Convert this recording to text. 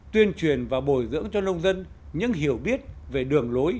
tuyên truyền và bồi dưỡng cho nông dân những hiểu biết về đường lối